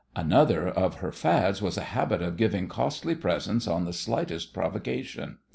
Another of her fads was a habit of giving costly presents on the slightest provocation.